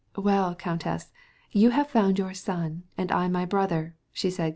"Well, countess, you have met your son, and I my brother," she said.